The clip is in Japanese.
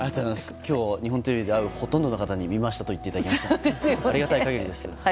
今日、日本テレビで会うほとんどの方々に見ましたと言っていただきました。